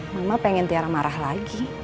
mama pengen tiara marah lagi